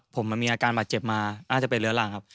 ผมมันมีอาการบาดเจ็บมาน่าจะเป็นเรื้อรังครับ